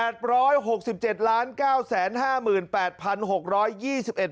เท่าไรคะ